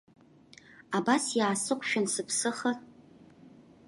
Абас иаасықәшәан сыԥсыхыр!